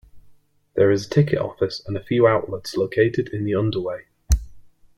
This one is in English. There is a ticket office and few outlets located in the underway.